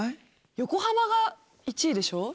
横浜が１位でしょ？